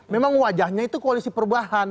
memang wajahnya itu koalisi perubahan